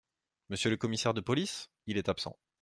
Monsieur le commissaire de police ? Il est absent.